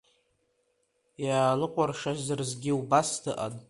Иаалыкәыршаз рзгьы убас дыҟан.